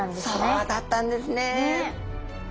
そうだったんですね。